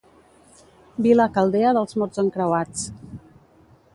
Vila caldea dels mots encreuats.